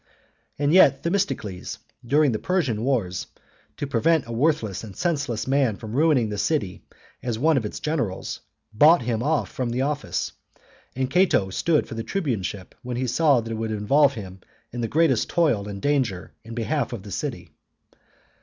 And yet Themistocles, during the Persian wars, to prevent a worthless and senseless man from ruining the city as one of its generals, bought him off from the office; and Cato stood for the tribuneship when he saw that it would involve him in the greatest toil and danger in behalf of the city.